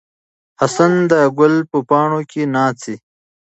حسن د ګل په پاڼو کې ناڅي.